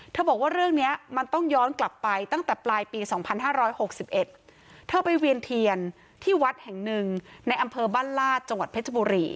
บอกว่าเรื่องนี้มันต้องย้อนกลับไปตั้งแต่ปลายปี๒๕๖๑เธอไปเวียนเทียนที่วัดแห่งหนึ่งในอำเภอบ้านลาดจังหวัดเพชรบุรี